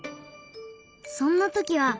そんな時は。